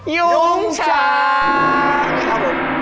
ยุงชา